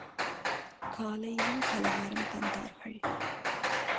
காலையிலும் பலகாரம் தந்தார்கள்.